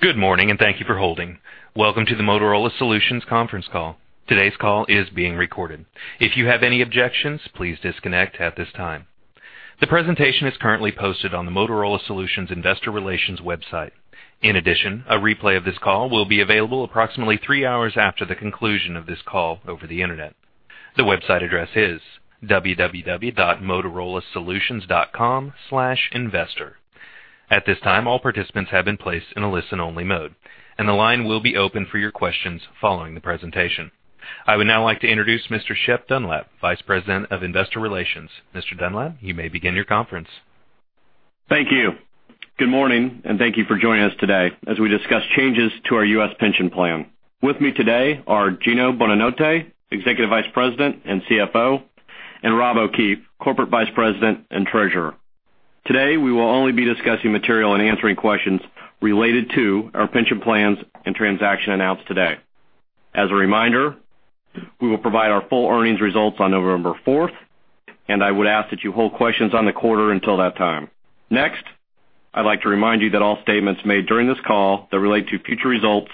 Good morning, and thank you for holding. Welcome to the Motorola Solutions conference call. Today's call is being recorded. If you have any objections, please disconnect at this time. The presentation is currently posted on the Motorola Solutions investor relations website. In addition, a replay of this call will be available approximately 3 hours after the conclusion of this call over the Internet. The website address is www.motorolasolutions.com/investor. At this time, all participants have been placed in a listen-only mode, and the line will be open for your questions following the presentation. I would now like to introduce Mr. Shep Dunlap, Vice President of Investor Relations. Mr. Dunlap, you may begin your conference. Thank you. Good morning, and thank you for joining us today as we discuss changes to our U.S. pension plan. With me today are Gino A. Bonanotte, Executive Vice President and CFO, and Rob O'Keefe, Corporate Vice President and Treasurer. Today, we will only be discussing material and answering questions related to our pension plans and transaction announced today. As a reminder, we will provide our full earnings results on November fourth, and I would ask that you hold questions on the quarter until that time. Next, I'd like to remind you that all statements made during this call that relate to future results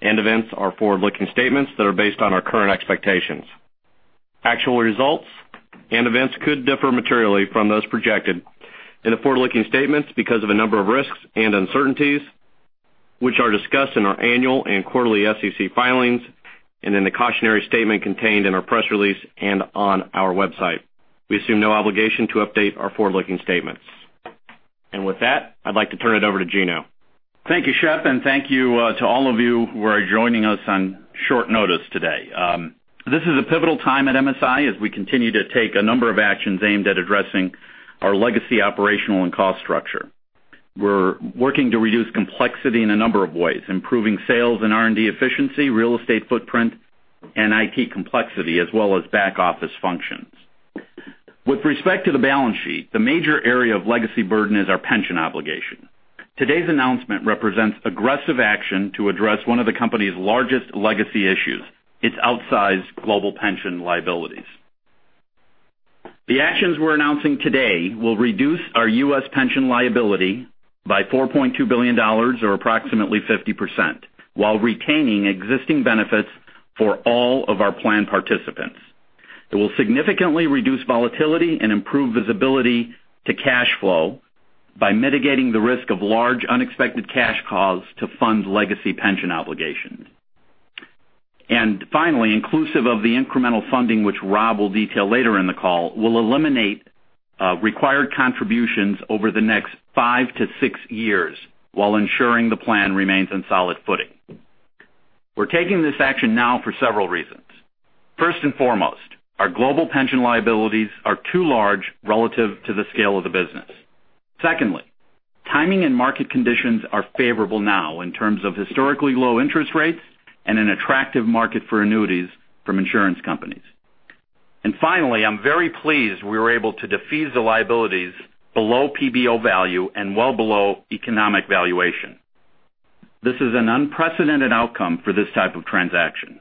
and events are forward-looking statements that are based on our current expectations. Actual results and events could differ materially from those projected in the forward-looking statements because of a number of risks and uncertainties, which are discussed in our annual and quarterly SEC filings and in the cautionary statement contained in our press release and on our website. We assume no obligation to update our forward-looking statements. With that, I'd like to turn it over to Gino. Thank you, Shep, and thank you to all of you who are joining us on short notice today. This is a pivotal time at MSI as we continue to take a number of actions aimed at addressing our legacy, operational, and cost structure. We're working to reduce complexity in a number of ways, improving sales and R&D efficiency, real estate footprint, and IT complexity, as well as back-office functions. With respect to the balance sheet, the major area of legacy burden is our pension obligation. Today's announcement represents aggressive action to address one of the company's largest legacy issues, its outsized global pension liabilities. The actions we're announcing today will reduce our U.S. pension liability by $4.2 billion, or approximately 50%, while retaining existing benefits for all of our plan participants. It will significantly reduce volatility and improve visibility to cash flow by mitigating the risk of large, unexpected cash calls to fund legacy pension obligations. And finally, inclusive of the incremental funding, which Rob will detail later in the call, will eliminate required contributions over the next five to six years while ensuring the plan remains on solid footing. We're taking this action now for several reasons. First and foremost, our global pension liabilities are too large relative to the scale of the business. Secondly, timing and market conditions are favorable now in terms of historically low interest rates and an attractive market for annuities from insurance companies. And finally, I'm very pleased we were able to defease the liabilities below PBO value and well below economic valuation. This is an unprecedented outcome for this type of transaction.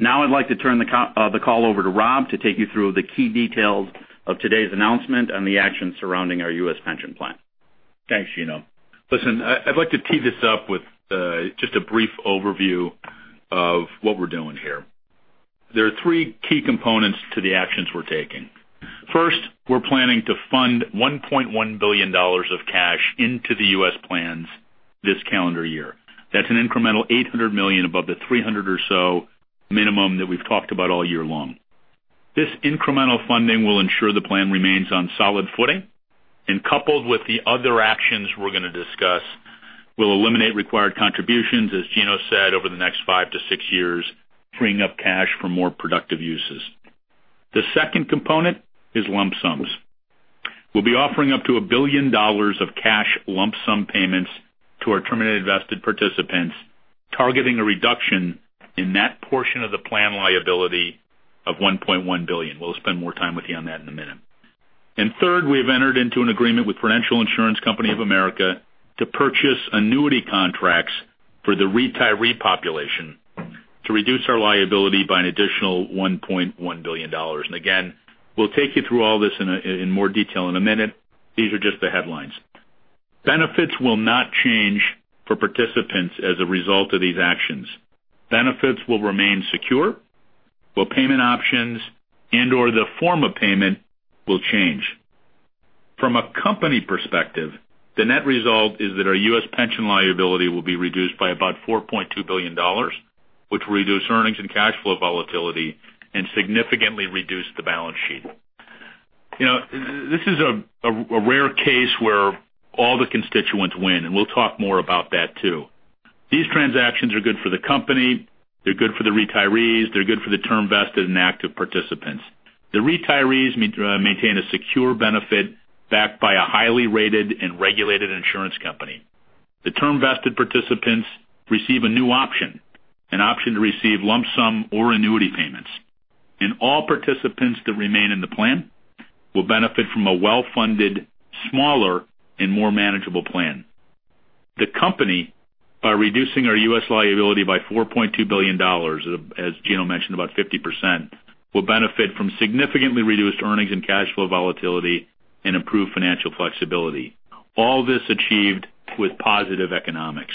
Now, I'd like to turn the call over to Rob to take you through the key details of today's announcement and the actions surrounding our U.S. pension plan. Thanks, Gino. Listen, I, I'd like to tee this up with just a brief overview of what we're doing here. There are three key components to the actions we're taking. First, we're planning to fund $1.1 billion of cash into the U.S. plans this calendar year. That's an incremental $800 million above the $300 or so minimum that we've talked about all year long. This incremental funding will ensure the plan remains on solid footing, and coupled with the other actions we're gonna discuss, will eliminate required contributions, as Gino said, over the next five to six years, freeing up cash for more productive uses. The second component is lump sums. We'll be offering up to $1 billion of cash lump sum payments to our terminated vested participants, targeting a reduction in that portion of the plan liability of $1.1 billion. We'll spend more time with you on that in a minute. And third, we have entered into an agreement with Prudential Insurance Company of America to purchase annuity contracts for the retiree population to reduce our liability by an additional $1.1 billion. And again, we'll take you through all this in more detail in a minute. These are just the headlines. Benefits will not change for participants as a result of these actions. Benefits will remain secure, but payment options and/or the form of payment will change. From a company perspective, the net result is that our U.S. pension liability will be reduced by about $4.2 billion, which will reduce earnings and cash flow volatility and significantly reduce the balance sheet. You know, this is a rare case where all the constituents win, and we'll talk more about that too. These transactions are good for the company, they're good for the retirees, they're good for the term-vested and active participants. The retirees maintain a secure benefit backed by a highly rated and regulated insurance company. The term vested participants receive a new option, an option to receive lump sum or annuity payments. And all participants that remain in the plan will benefit from a well-funded, smaller, and more manageable plan. The company, by reducing our U.S. liability by $4.2 billion, as Gino mentioned, about 50%, will benefit from significantly reduced earnings and cash flow volatility and improve financial flexibility. All this achieved with positive economics.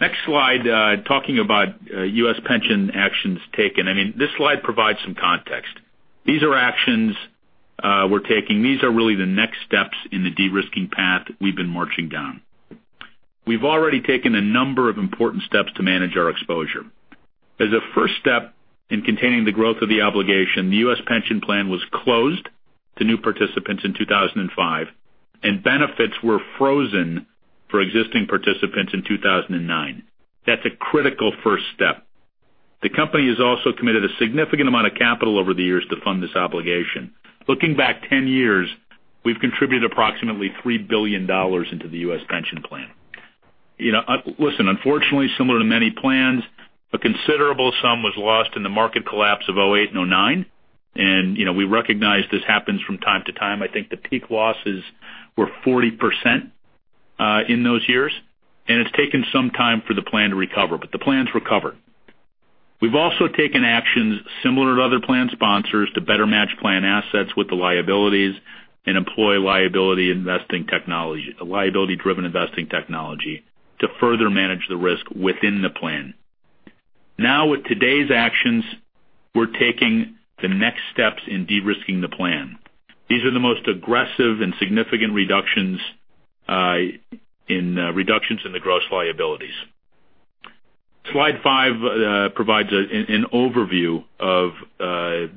Next slide, talking about, U.S. pension actions taken. I mean, this slide provides some context. These are actions we're taking. These are really the next steps in the de-risking path we've been marching down. We've already taken a number of important steps to manage our exposure. As a first step in containing the growth of the obligation, the U.S. pension plan was closed to new participants in 2005, and benefits were frozen for existing participants in 2009. That's a critical first step. The company has also committed a significant amount of capital over the years to fund this obligation. Looking back 10 years, we've contributed approximately $3 billion into the U.S. pension plan. You know, listen, unfortunately, similar to many plans, a considerable sum was lost in the market collapse of 2008 and 2009, and, you know, we recognize this happens from time to time. I think the peak losses were 40%, in those years, and it's taken some time for the plan to recover, but the plan's recovered. We've also taken actions similar to other plan sponsors to better match plan assets with the liabilities and employ liability investing technology, a liability-driven investing technology, to further manage the risk within the plan. Now, with today's actions, we're taking the next steps in de-risking the plan. These are the most aggressive and significant reductions in the gross liabilities. Slide five provides an overview of the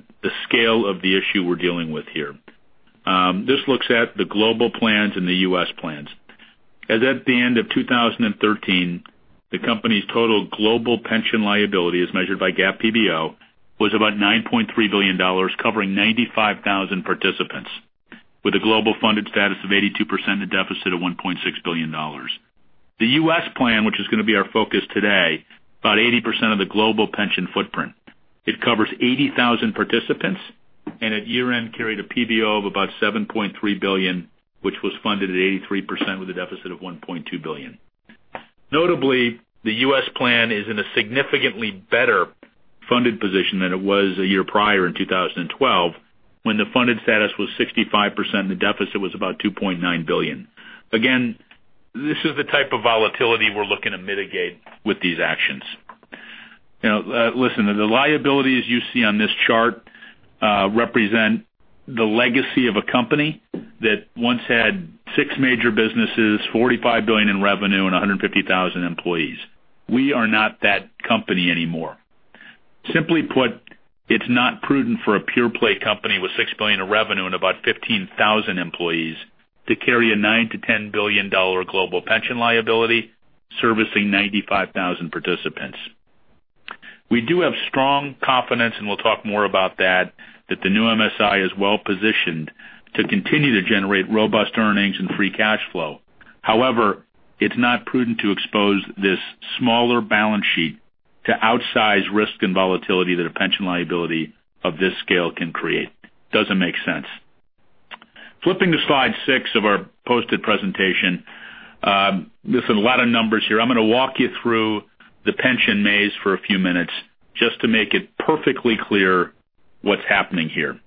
scale of the issue we're dealing with here. This looks at the global plans and the U.S. plans. As at the end of 2013, the company's total global pension liability, as measured by GAAP PBO, was about $9.3 billion, covering 95,000 participants, with a global funded status of 82%, a deficit of $1.6 billion. The U.S. plan, which is gonna be our focus today, about 80% of the global pension footprint. It covers 80,000 participants and at year-end, carried a PBO of about $7.3 billion, which was funded at 83%, with a deficit of $1.2 billion. Notably, the U.S. plan is in a significantly better funded position than it was a year prior in 2012, when the funded status was 65%, and the deficit was about $2.9 billion. Again, this is the type of volatility we're looking to mitigate with these actions. Now, listen, the liabilities you see on this chart represent the legacy of a company that once had six major businesses, $45 billion in revenue and 150,000 employees. We are not that company anymore. Simply put, it's not prudent for a pure play company with $6 billion in revenue and about 15,000 employees to carry a $9-$10 billion global pension liability servicing 95,000 participants. We do have strong confidence, and we'll talk more about that, that the new MSI is well positioned to continue to generate robust earnings and free cash flow. However, it's not prudent to expose this smaller balance sheet to outsize risk and volatility that a pension liability of this scale can create. Doesn't make sense. Flipping to slide six of our posted presentation, there's a lot of numbers here. I'm gonna walk you through the pension maze for a few minutes just to make it perfectly clear what's happening here.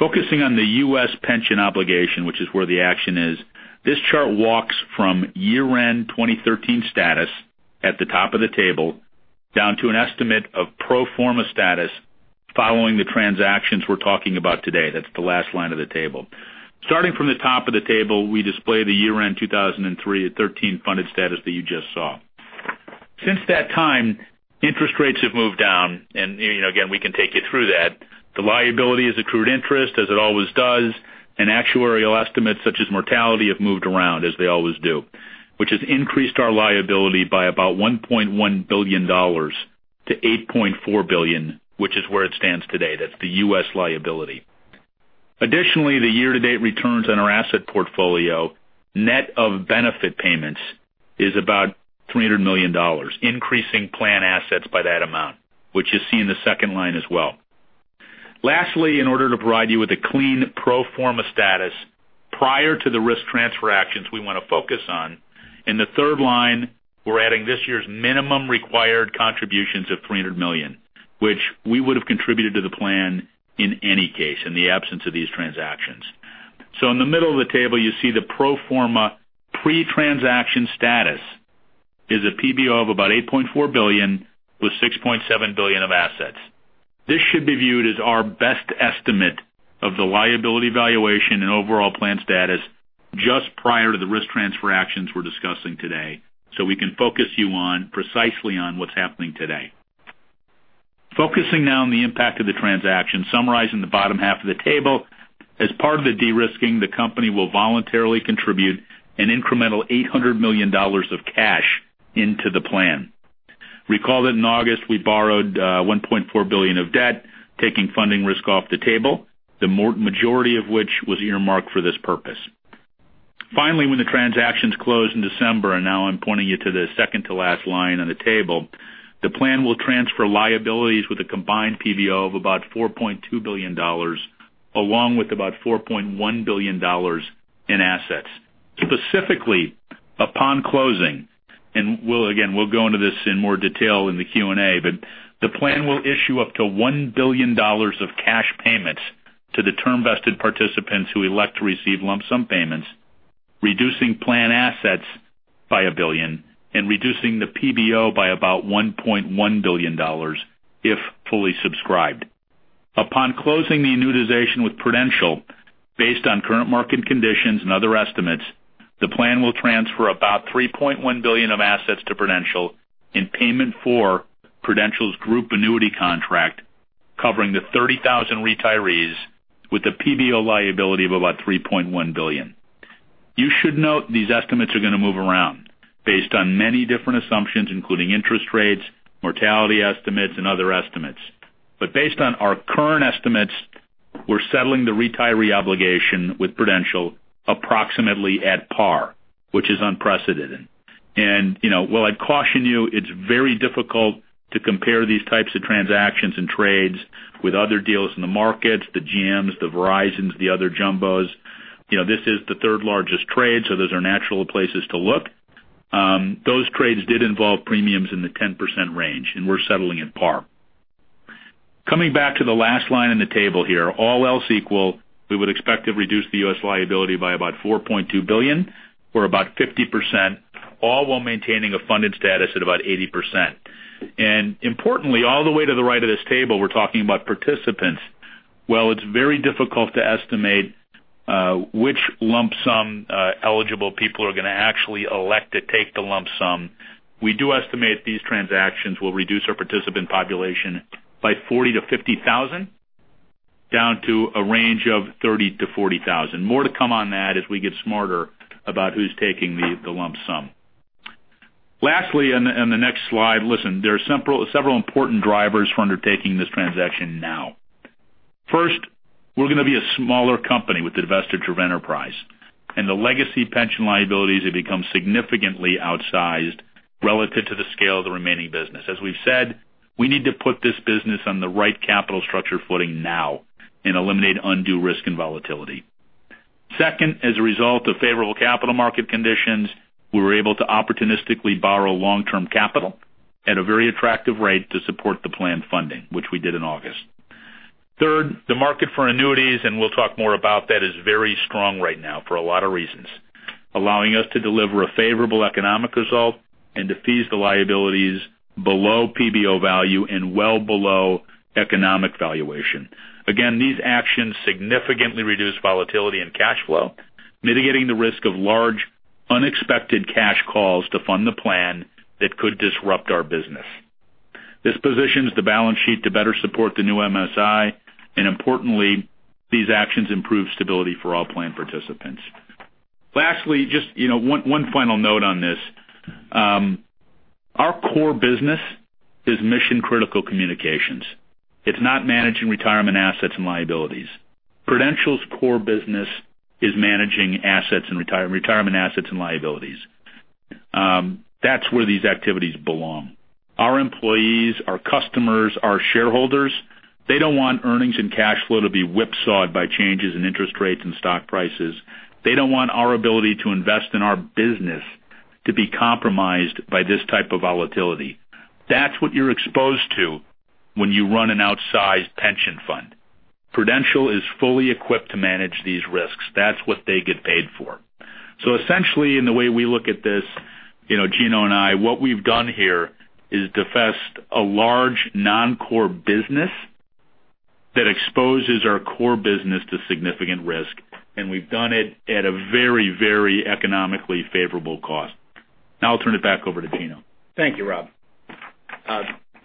Focusing on the U.S. pension obligation, which is where the action is, this chart walks from year-end 2013 status at the top of the table, down to an estimate of pro forma status following the transactions we're talking about today. That's the last line of the table. Starting from the top of the table, we display the year-end 2003 at 13 funded status that you just saw. Since that time, interest rates have moved down, and, you know, again, we can take you through that. The liability is accrued interest, as it always does, and actuarial estimates, such as mortality, have moved around, as they always do, which has increased our liability by about $1.1 billion to $8.4 billion, which is where it stands today. That's the U.S. liability. Additionally, the year-to-date returns on our asset portfolio, net of benefit payments, is about $300 million, increasing plan assets by that amount, which you see in the second line as well. Lastly, in order to provide you with a clean pro forma status prior to the risk transfer actions we want to focus on, in the third line, we're adding this year's minimum required contributions of $300 million, which we would have contributed to the plan in any case, in the absence of these transactions. So in the middle of the table, you see the pro forma pre-transaction status is a PBO of about $8.4 billion, with $6.7 billion of assets. This should be viewed as our best estimate of the liability valuation and overall plan status just prior to the risk transfer actions we're discussing today, so we can focus you on, precisely on what's happening today. Focusing now on the impact of the transaction, summarizing the bottom half of the table. As part of the de-risking, the company will voluntarily contribute an incremental $800 million of cash into the plan. Recall that in August, we borrowed one point four billion of debt, taking funding risk off the table, the majority of which was earmarked for this purpose. Finally, when the transactions closed in December, and now I'm pointing you to the second to last line on the table, the plan will transfer liabilities with a combined PBO of about $4.2 billion, along with about $4.1 billion in assets. Specifically, upon closing, and we'll, again, we'll go into this in more detail in the Q&A, but the plan will issue up to $1 billion of cash payments to the term-vested participants who elect to receive lump sum payments, reducing plan assets by $1 billion and reducing the PBO by about $1.1 billion if fully subscribed. Upon closing the annuitization with Prudential, based on current market conditions and other estimates, the plan will transfer about $3.1 billion of assets to Prudential in payment for Prudential's group annuity contract, covering the 30,000 retirees with a PBO liability of about $3.1 billion. You should note these estimates are going to move around based on many different assumptions, including interest rates, mortality estimates, and other estimates. But based on our current estimates, we're settling the retiree obligation with Prudential approximately at par, which is unprecedented. And, you know, while I'd caution you, it's very difficult to compare these types of transactions and trades with other deals in the markets, the GMs, the Verizons, the other jumbos. You know, this is the third-largest trade, so those are natural places to look. Those trades did involve premiums in the 10% range, and we're settling at par. Coming back to the last line in the table here, all else equal, we would expect to reduce the U.S. liability by about $4.2 billion, or about 50%, all while maintaining a funded status at about 80%. Importantly, all the way to the right of this table, we're talking about participants. While it's very difficult to estimate which lump sum eligible people are going to actually elect to take the lump sum, we do estimate these transactions will reduce our participant population by 40,000-50,000, down to a range of 30,000-40,000. More to come on that as we get smarter about who's taking the lump sum. Lastly, on the next slide, listen, there are several important drivers for undertaking this transaction now. First, we're going to be a smaller company with the divestiture of enterprise, and the legacy pension liabilities have become significantly outsized relative to the scale of the remaining business. As we've said, we need to put this business on the right capital structure footing now and eliminate undue risk and volatility. Second, as a result of favorable capital market conditions, we were able to opportunistically borrow long-term capital at a very attractive rate to support the planned funding, which we did in August. Third, the market for annuities, and we'll talk more about that, is very strong right now for a lot of reasons, allowing us to deliver a favorable economic result and defease the liabilities below PBO value and well below economic valuation. Again, these actions significantly reduce volatility and cash flow, mitigating the risk of large, unexpected cash calls to fund the plan that could disrupt our business. This positions the balance sheet to better support the new MSI, and importantly, these actions improve stability for all plan participants. Lastly, just, you know, one final note on this. Our core business is mission-critical communications. It's not managing retirement assets and liabilities. Prudential's core business is managing assets and retirement assets and liabilities. That's where these activities belong. Our employees, our customers, our shareholders, they don't want earnings and cash flow to be whipsawed by changes in interest rates and stock prices. They don't want our ability to invest in our business to be compromised by this type of volatility. That's what you're exposed to when you run an outsized pension fund. Prudential is fully equipped to manage these risks. That's what they get paid for. So essentially, in the way we look at this, you know, Gino and I, what we've done here is defeased a large non-core business that exposes our core business to significant risk, and we've done it at a very, very economically favorable cost. Now I'll turn it back over to Gino. Thank you, Rob.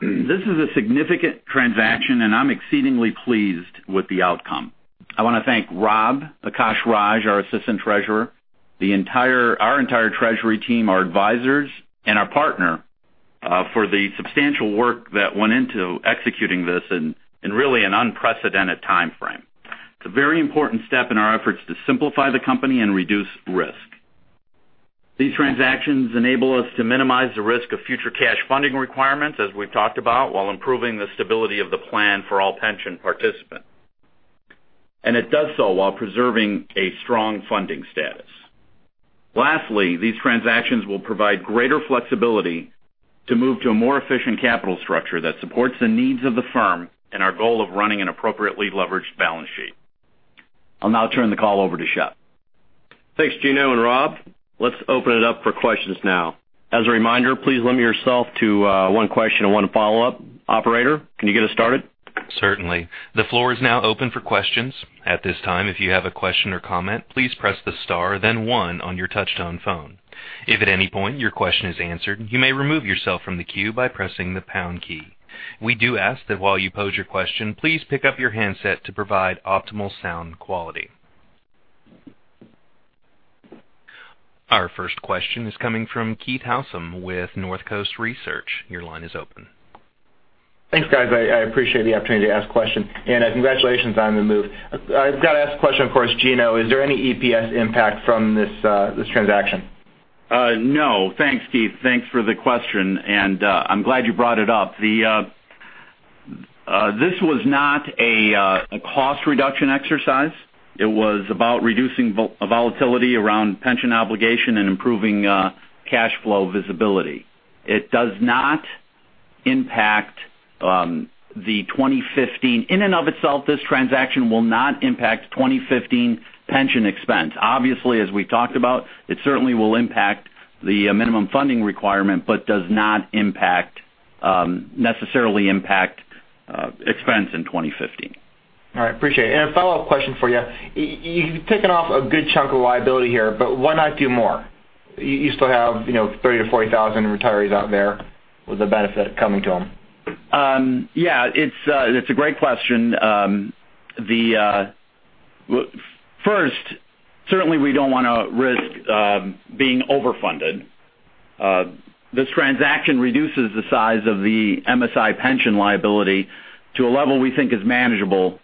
This is a significant transaction, and I'm exceedingly pleased with the outcome. I want to thank Rob, Akash Raj, our assistant treasurer, our entire treasury team, our advisors, and our partner for the substantial work that went into executing this in really an unprecedented timeframe. It's a very important step in our efforts to simplify the company and reduce risk. These transactions enable us to minimize the risk of future cash funding requirements, as we've talked about, while improving the stability of the plan for all pension participants. And it does so while preserving a strong funding status. Lastly, these transactions will provide greater flexibility to move to a more efficient capital structure that supports the needs of the firm and our goal of running an appropriately leveraged balance sheet. I'll now turn the call over to Shep. Thanks, Gino and Rob. Let's open it up for questions now. As a reminder, please limit yourself to one question and one follow-up. Operator, can you get us started? Certainly. The floor is now open for questions. At this time, if you have a question or comment, please press the star, then one on your touch-tone phone. If at any point your question is answered, you may remove yourself from the queue by pressing the pound key. We do ask that while you pose your question, please pick up your handset to provide optimal sound quality. Our first question is coming from Keith Housum with North Coast Research. Your line is open. Thanks, guys. I appreciate the opportunity to ask a question. Congratulations on the move. I've got to ask a question, of course, Gino. Is there any EPS impact from this transaction? No. Thanks, Keith. Thanks for the question, and I'm glad you brought it up. This was not a cost reduction exercise. It was about reducing volatility around pension obligation and improving cash flow visibility. It does not impact the 2015. In and of itself, this transaction will not impact 2015 pension expense. Obviously, as we talked about, it certainly will impact the minimum funding requirement, but does not necessarily impact expense in 2015. All right, appreciate it. And a follow-up question for you. You've taken off a good chunk of liability here, but why not do more? You, you still have, you know, 30,000-40,000 retirees out there with a benefit coming to them. Yeah, it's a great question. First, certainly we don't want to risk being overfunded. This transaction reduces the size of the MSI pension liability to a level we think is manageable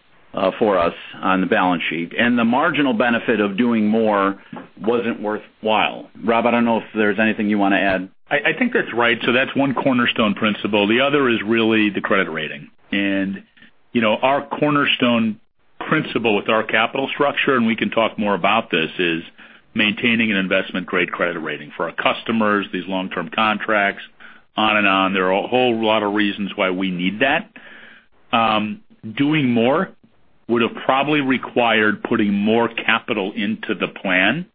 for us on the balance sheet. The marginal benefit of doing more wasn't worthwhile. Rob, I don't know if there's anything you want to add. I, I think that's right. So that's one cornerstone principle. The other is really the credit rating. And, you know, our cornerstone principle with our capital structure, and we can talk more about this, is maintaining an investment-grade credit rating for our customers, these long-term contracts, on and on. There are a whole lot of reasons why we need that. Doing more would have probably required putting more capital into the plan,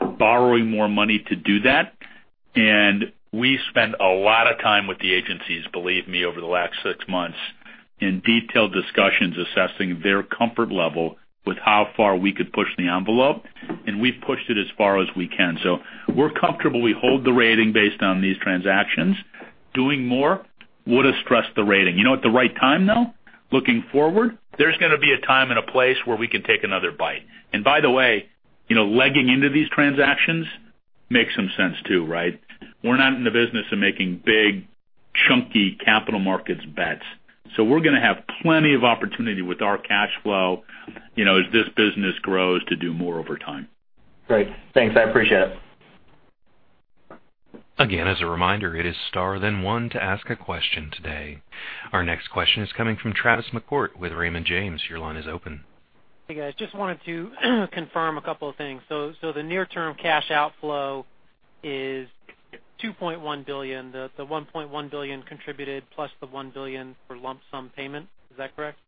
borrowing more money to do that. And we spent a lot of time with the agencies, believe me, over the last six months, in detailed discussions assessing their comfort level with how far we could push the envelope, and we've pushed it as far as we can. So we're comfortable we hold the rating based on these transactions. Doing more would have stressed the rating. You know, at the right time, though, looking forward, there's going to be a time and a place where we can take another bite. And by the way, you know, legging into these transactions makes some sense, too, right? We're not in the business of making big, chunky capital markets bets. So we're going to have plenty of opportunity with our cash flow, you know, as this business grows, to do more over time. Great. Thanks. I appreciate it. Again, as a reminder, it is star then one to ask a question today. Our next question is coming from Travis McCourt with Raymond James. Your line is open. Hey, guys, just wanted to confirm a couple of things. So the near-term cash outflow is $2.1 billion, the $1.1 billion contributed, plus the $1 billion for lump sum payment. Is that correct?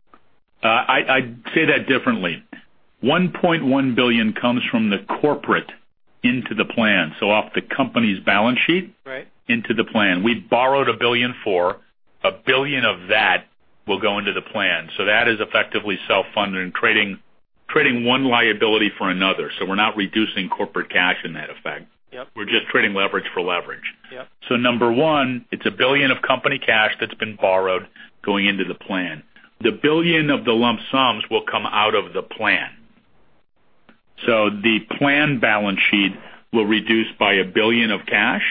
I'd say that differently. $1.1 billion comes from the corporate into the plan, so off the company's balance sheet- Right. into the plan. We borrowed $1 billion for. $1 billion of that will go into the plan. So that is effectively self-funded and trading, trading one liability for another. So we're not reducing corporate cash in that effect. Yep. We're just trading leverage for leverage. Yep. So number one, it's $1 billion of company cash that's been borrowed going into the plan. The $1 billion of the lump sums will come out of the plan. So the plan balance sheet will reduce by $1 billion of cash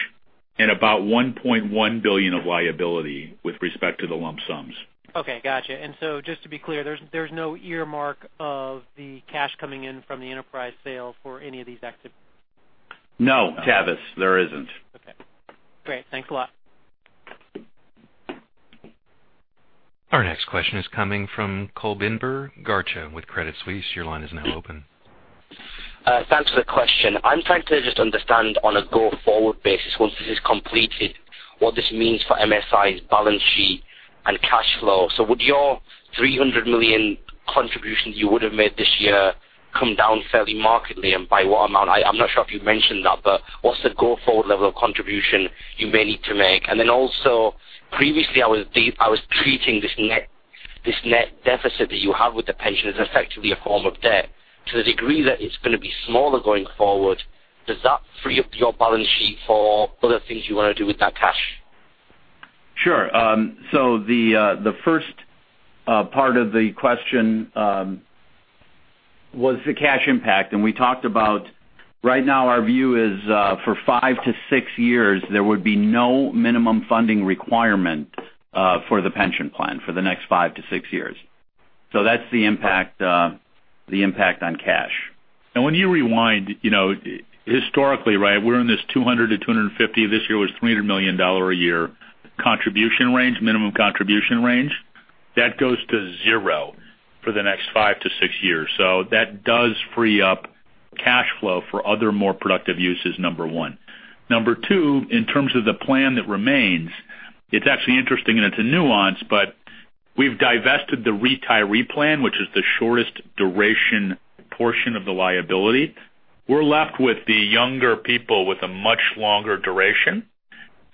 and about $1.1 billion of liability with respect to the lump sums. Okay, got you. And so just to be clear, there's no earmark of the cash coming in from the enterprise sale for any of these exits? No, Travis, there isn't. Okay, great. Thanks a lot. Our next question is coming from Kulbinder Garcha with Credit Suisse. Your line is now open. Thanks for the question. I'm trying to just understand on a go-forward basis, once this is completed, what this means for MSI's balance sheet and cash flow. So would your $300 million contributions you would have made this year come down fairly markedly, and by what amount? I'm not sure if you've mentioned that, but what's the go-forward level of contribution you may need to make? And then also, previously, I was treating this net, this net deficit that you have with the pension as effectively a form of debt. To the degree that it's going to be smaller going forward, does that free up your balance sheet for other things you want to do with that cash? Sure. So the first part of the question was the cash impact, and we talked about right now our view is, for five to six years, there would be no minimum funding requirement for the pension plan, for the next five to six years. So that's the impact, the impact on cash. When you rewind, you know, historically, right, we're in this 200-250, this year was $300 million a year contribution range, minimum contribution range. That goes to zero for the next five to six years. So that does free up cash flow for other, more productive uses, number one. Number two, in terms of the plan that remains, it's actually interesting and it's a nuance, but we've divested the retiree plan, which is the shortest duration portion of the liability. We're left with the younger people with a much longer duration,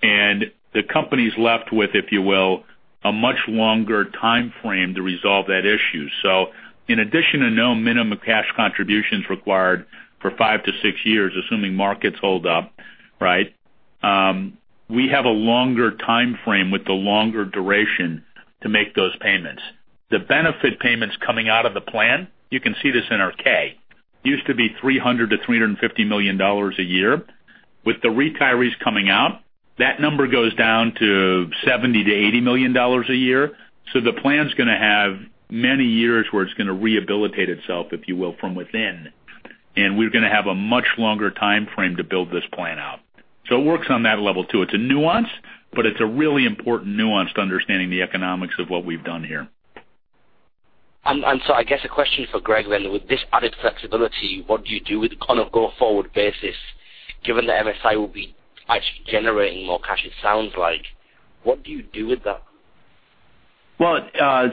and the company's left with, if you will, a much longer timeframe to resolve that issue. So in addition to no minimum cash contributions required for five to six years, assuming markets hold up, right? We have a longer timeframe with the longer duration to make those payments. The benefit payments coming out of the plan, you can see this in our K, used to be $300 million-$350 million a year. With the retirees coming out, that number goes down to $70 million-$80 million a year. So the plan's going to have many years where it's going to rehabilitate itself, if you will, from within. and we're gonna have a much longer timeframe to build this plan out. So it works on that level, too. It's a nuance, but it's a really important nuance to understanding the economics of what we've done here. So, I guess a question for Greg then. With this added flexibility, what do you do with it on a go-forward basis, given that MSI will be actually generating more cash, it sounds like? What do you do with that? Well,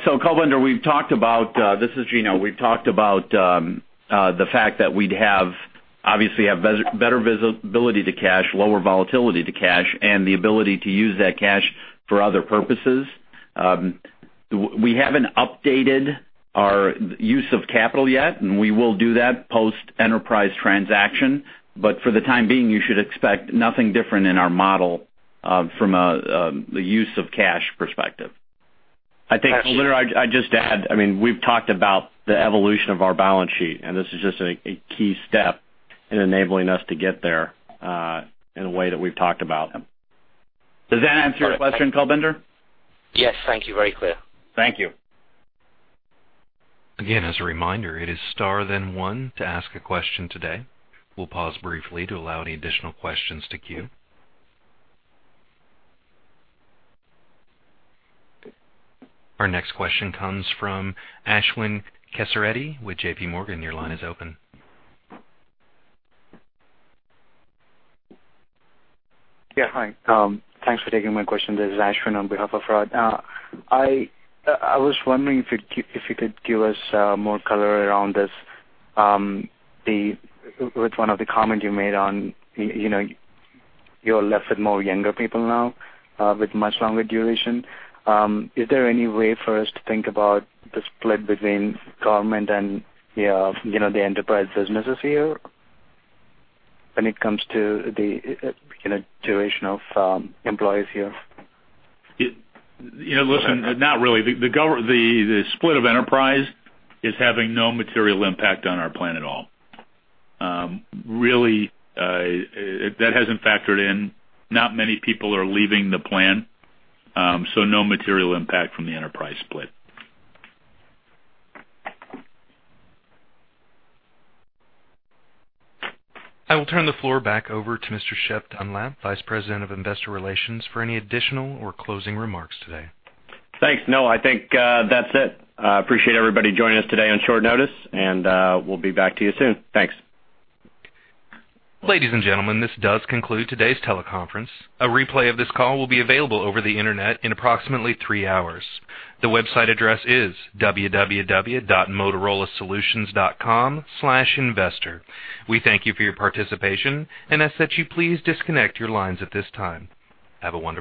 so Kulbinder, we've talked about this. This is Gino. We've talked about the fact that we'd have, obviously have better visibility to cash, lower volatility to cash, and the ability to use that cash for other purposes. We haven't updated our use of capital yet, and we will do that post-enterprise transaction. But for the time being, you should expect nothing different in our model from a the use of cash perspective. I think, Kulbinder, I'd just add, I mean, we've talked about the evolution of our balance sheet, and this is just a key step in enabling us to get there in a way that we've talked about. Does that answer your question, Kulbinder? Yes, thank you. Very clear. Thank you. Again, as a reminder, it is star then one to ask a question today. We'll pause briefly to allow any additional questions to queue. Our next question comes from Ashwin Kesireddy with JP Morgan. Your line is open. Yeah, hi. Thanks for taking my question. This is Ashwin on behalf of Rod. I was wondering if you could give us more color around this, the with one of the comments you made on, you know, you're left with more younger people now, with much longer duration. Is there any way for us to think about the split between government and, you know, the enterprise businesses here when it comes to the, you know, duration of employees here? You know, listen, not really. The split of enterprise is having no material impact on our plan at all. Really, that hasn't factored in. Not many people are leaving the plan, so no material impact from the enterprise split. I will turn the floor back over to Mr. Shep Dunlap, Vice President of Investor Relations, for any additional or closing remarks today. Thanks. No, I think, that's it. I appreciate everybody joining us today on short notice, and, we'll be back to you soon. Thanks. Ladies and gentlemen, this does conclude today's teleconference. A replay of this call will be available over the Internet in approximately three hours. The website address is www.motorolasolutions.com/investor. We thank you for your participation and ask that you please disconnect your lines at this time. Have a wonderful day.